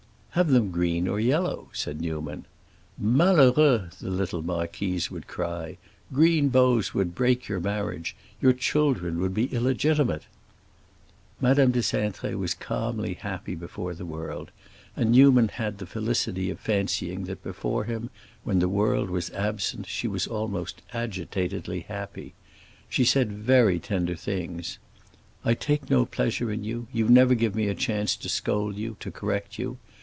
"Have them green or yellow," said Newman. "Malheureux!" the little marquise would cry. "Green bows would break your marriage—your children would be illegitimate!" Madame de Cintré was calmly happy before the world, and Newman had the felicity of fancying that before him, when the world was absent, she was almost agitatedly happy. She said very tender things. "I take no pleasure in you. You never give me a chance to scold you, to correct you.